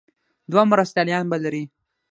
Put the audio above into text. دوه مرستیالان به لري.